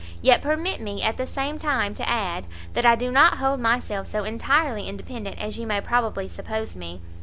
Yet permit me, at the same time, to add, that I do not hold myself so entirely independent as you may probably suppose me.